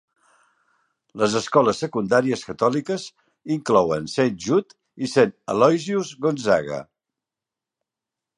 Les escoles secundàries catòliques inclouen Saint Jude i Saint Aloysius Gonzaga.